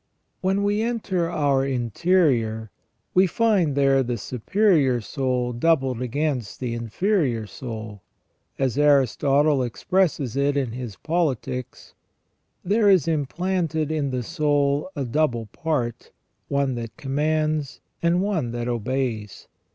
When we enter our interior, we there find the superior soul doubled against the inferior soul. As Aristotle expresses it in his Politics :" There is implanted in the soul a double part, one that commands, and one that obeys